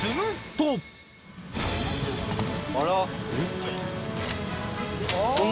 あら！